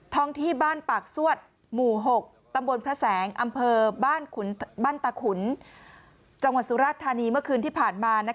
ที่บ้านปากซวดหมู่๖ตำบลพระแสงอำเภอบ้านตาขุนจังหวัดสุราชธานีเมื่อคืนที่ผ่านมา